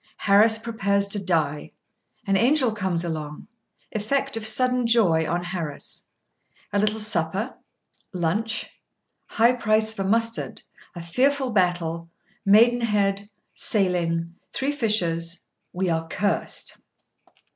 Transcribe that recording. —Harris prepares to die.—An angel comes along.—Effect of sudden joy on Harris.—A little supper.—Lunch.—High price for mustard.—A fearful battle.—Maidenhead.—Sailing.—Three fishers.—We are cursed.